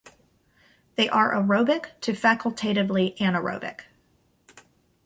They are aerobic to facultatively anaerobic.